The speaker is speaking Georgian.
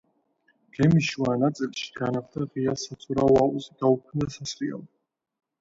გემის შუა ნაწილში განახლდა ღია საცურაო აუზი, გაუქმდა სასრიალო.